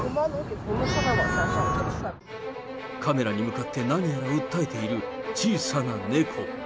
カメラに向かって何やら訴えている小さな猫。